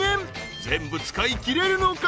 ［全部使いきれるのか？］